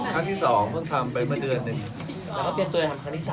คำที่๒เพิ่งทำไปเมื่อเดือนนี้